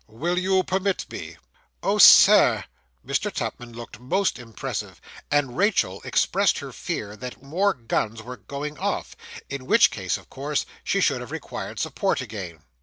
'Will you permit me?' 'Oh, sir!' Mr. Tupman looked most impressive; and Rachael expressed her fear that more guns were going off, in which case, of course, she should have required support again.